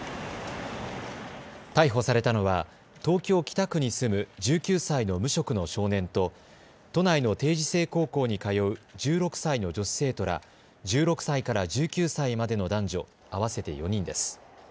逮捕されたのは東京北区に住む１９歳の無職の少年と都内の定時制高校に通う１６歳の女子生徒ら１６歳から１９歳までの男女合わせて４人です。